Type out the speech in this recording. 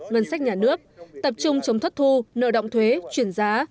ngân sách nhà nước tập trung chống thất thu nợ động thuế chuyển giá